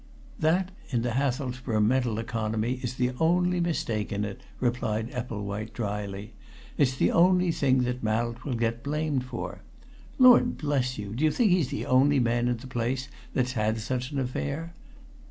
"That, in the Hathelsborough mental economy, is the only mistake in it," replied Epplewhite dryly. "It's the only thing that Mallett'll get blamed for! Lord bless you, do you think he's the only man in the place that's had such an affair?